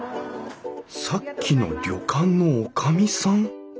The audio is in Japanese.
さっきの旅館の女将さん！？